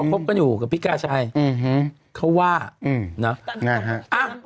ว่าควบคุยอยู่กับพิษกาชัยอื้อหือเข้าว่าอื้อเนาะนะครับอ่ะ